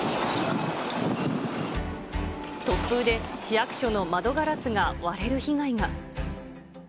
突風で市役所の窓ガラスが割れる被害が。